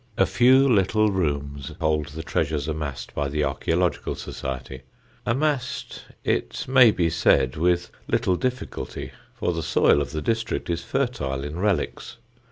A few little rooms hold the treasures amassed by the Archæological Society; amassed, it may be said, with little difficulty, for the soil of the district is fertile in relics.